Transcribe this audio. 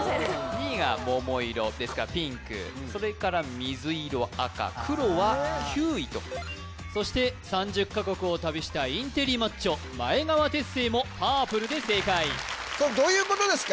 ２位が桃色ピンクそれから水色赤黒は９位とそして３０か国を旅したインテリマッチョ前川哲成もパープルで正解これどういうことですか？